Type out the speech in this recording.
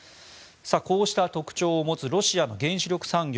こうした特徴を持つロシアの原子力産業